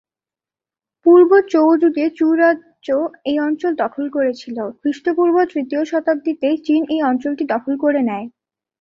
পূর্ব Zhou যুগে Chu রাজ্য এই অঞ্চল দখল করেছিল, খ্রিস্টপূর্ব তৃতীয় শতাব্দীতে চিন এই অঞ্চলটি দখল করে নেয়।